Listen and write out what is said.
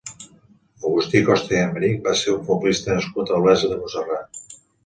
Agustí Costa i Aymerich va ser un futbolista nascut a Olesa de Montserrat.